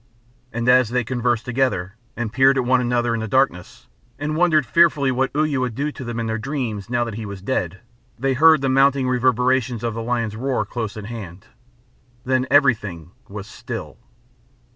And as they conversed together, and peered at one another in the darkness, and wondered fearfully what Uya would do to them in their dreams now that he was dead, they heard the mounting reverberations of the lion's roar close at hand. Then everything was still.